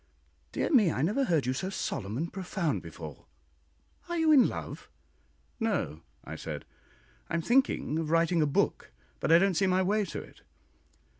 "Dear me, I never heard you so solemn and profound before. Are you in love?" "No," I said; "I am thinking of writing a book, but I don't see my way to it."